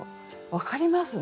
分かりますね。